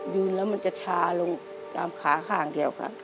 ยืนแล้วมันจะชาลงตามขาข้างเดียวค่ะ